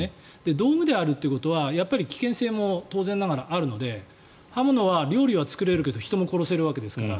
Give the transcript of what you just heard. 道具であるってことは危険性も当然ながらあるので刃物は料理を作れるけど人も殺せるわけですから。